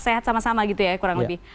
sehat sama sama gitu ya kurang lebih